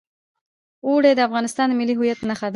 اوړي د افغانستان د ملي هویت نښه ده.